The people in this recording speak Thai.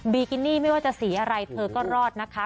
กินี่ไม่ว่าจะสีอะไรเธอก็รอดนะคะ